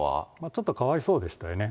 ちょっとかわいそうでしたよね。